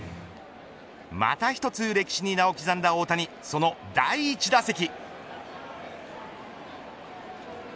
また一つ歴史に名を刻んだ大谷その第１打席。